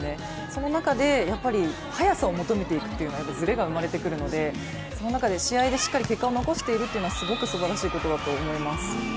その中で、速さを求めていくとずれが生まれてくるのでその中で試合でしっかり結果を残しているのはすばらしいことだと思います。